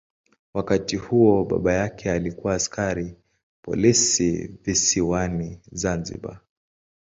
Wakati huo baba yake alikuwa askari polisi visiwani Zanzibar.